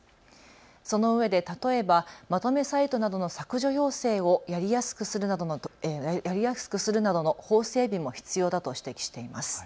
そのうえで例えばまとめサイトなどの削除要請をやりやすくするなどの法整備も必要だと指摘しています。